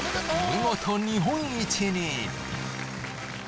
見事日本一に！